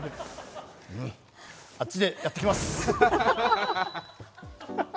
あっちでやってきます。